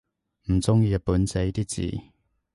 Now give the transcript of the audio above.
唔中意日本仔啲字